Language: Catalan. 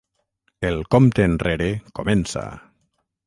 El compte enrere comença.